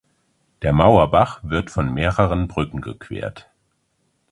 Der Mauerbach wird von mehreren Brücken gequert.